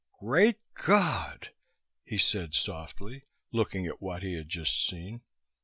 "Great God," he said softly, looking at what he had just seen.